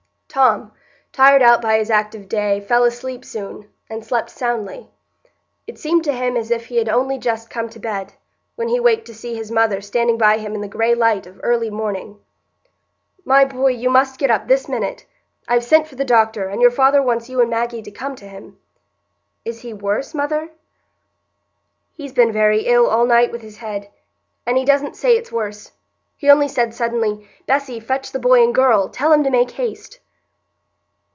Tom, tired out by his active day, fell asleep soon, and slept soundly; it seemed to him as if he had only just come to bed, when he waked to see his mother standing by him in the gray light of early morning. "My boy, you must get up this minute; I've sent for the doctor, and your father wants you and Maggie to come to him." "Is he worse, mother?" "He's been very ill all night with his head, but he doesn't say it's worse; he only said suddenly, 'Bessy, fetch the boy and girl. Tell 'em to make haste.